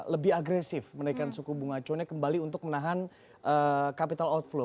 lebih agresif menaikkan suku bunga acuannya kembali untuk menahan capital outflow